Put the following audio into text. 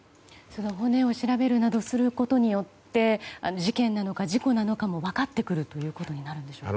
骨を調べるなどすることによって事件なのか、事故なのかも分かってくることになるんでしょうか。